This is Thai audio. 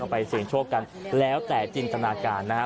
ไปเสี่ยงโชคกันแล้วแต่จินตนาการนะฮะ